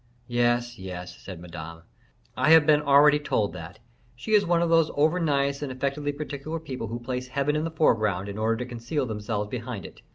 "Yes, yes," said Madame. "I have been already told that; she is one of those overnice and affectedly particular people who place heaven in the foreground in order to conceal themselves behind it.